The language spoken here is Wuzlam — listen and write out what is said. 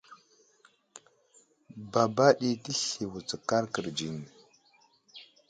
Baba ɗi təsli wutskar kərdziŋ.